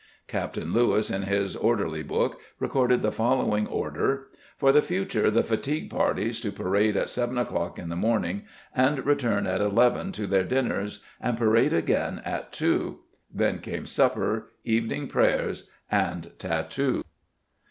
Captain Lewis in his Orderly Book recorded the following order "For the future the fatigue parties to parade at 7 o'clock in the morning and return at eleven to their dinners and parade again at two". Then came supper, evening prayers and tat too.